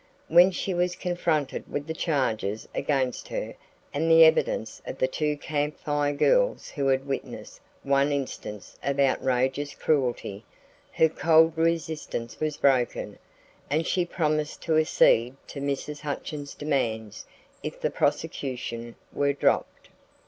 When she was confronted with the charges against her and the evidence of the two Camp Fire Girls who had witnessed one instance of outrageous cruelty, her cold resistance was broken and she promised to accede to Mrs. Hutchins demands if the prosecution were dropped.